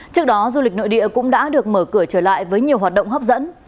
trước đó du lịch nội địa cũng đã được mở cửa trở lại với nhiều hoạt động hấp dẫn